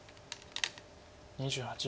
２８秒。